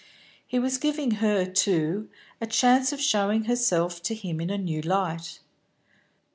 He was giving her, too, a chance of showing herself to him in a new light.